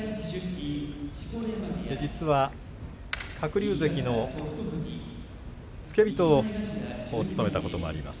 実は鶴竜関の付け人を務めたこともあります